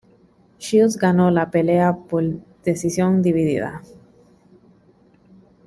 Shields ganó la pelea por decisión dividida.